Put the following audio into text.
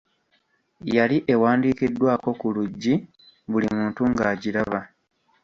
Yali ewandiikiddwako ku luggi buli muntu ng'agiraba.